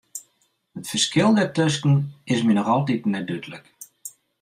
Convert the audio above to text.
It ferskil dêrtusken is my noch altiten net dúdlik.